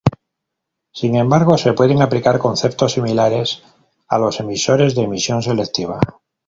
Sin embargo, se pueden aplicar conceptos similares a los emisores de emisión selectiva.